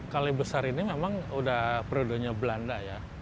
kale besar ini memang sudah perudahnya belanda ya